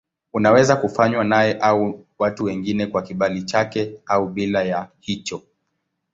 Unaweza kufanywa naye au na watu wengine kwa kibali chake au bila ya hicho.